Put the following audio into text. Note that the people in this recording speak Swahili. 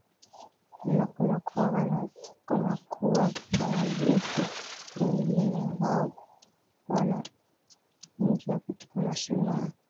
na kunakuwanga na kunakuwa na majeshi wengine wanao ambao wanaingia katika mashimo ya